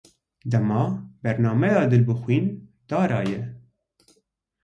Dema bernameya Dilbixwîn Dara ye.